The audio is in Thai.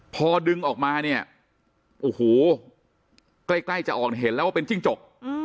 พอดึงออกมาเนี่ยโอ้โหใกล้จะออกเห็นแล้วว่าเป็นจิ้งจก